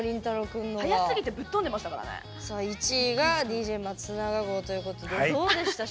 １位がＤＪ松永号ということでどうでした？